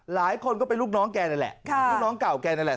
หลายคนก็เป็นลูกน้องแกนั่นแหละลูกน้องเก่าแกนั่นแหละ